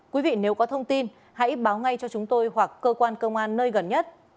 quý vị nếu có thông tin hãy báo ngay cho chúng tôi hoặc cơ quan công an nơi gần nhất